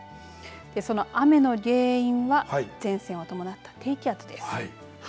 その雨の原因は前線を伴った低気圧です。